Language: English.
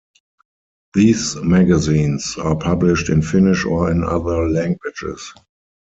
These magazines are published in Finnish or in other languages.